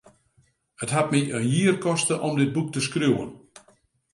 It hat my in jier koste om dit boek te skriuwen.